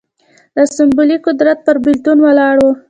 د اسامبلې قدرت پر بېلتون ولاړ و